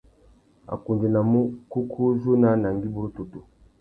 A kundzénamú : kúkú u zú nà anangüî burútutu.